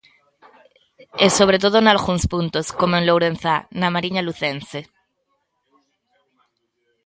E sobre todo nalgúns puntos, como en Lourenzá, na Mariña Lucense.